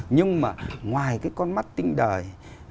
nhưng mà ngoài cái con mắt tinh đời